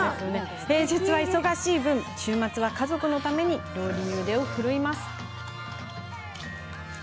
平日は忙しい分週末は家族のために料理に腕を振るいます。